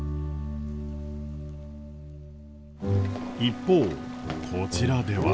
一方こちらでは。